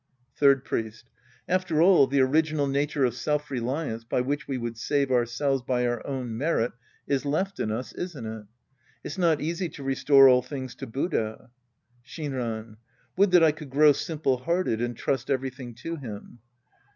Third Priest. After all, the original nature of self reliance by which we would save ourselves by our own merit is left in us, isn't it ? It's not easy to restore all things to Buddha. Shinran. Would that I could grow simplp hparfpH and trust everything to him.